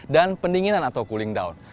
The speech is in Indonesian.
dan pendinginan atau cooling down